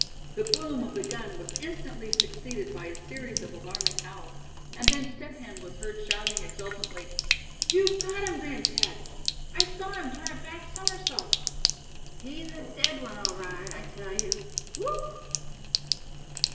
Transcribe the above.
The boom of the gun was instantly succeeded by a series of alarming howls; and then Step Hen was heard shouting exultantly: "You got him then, Thad! I saw him turn a back somersault. He's a dead one, all right, I tell you, whoop!"